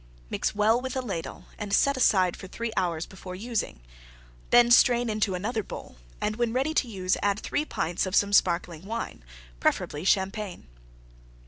Mix well with a Ladle and set aside for three hours before using. Then strain info another bowl, and when ready to use add 3 pints of some sparkling Wine, preferably Champagne.